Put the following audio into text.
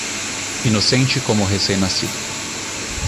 Inocente como recém-nascido.